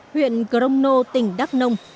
huyện crono tỉnh đắk nông